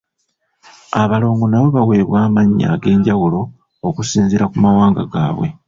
Abalongo nabo baweebwa amannya ag'enjawulo okusinziira ku mawanga gaabwe.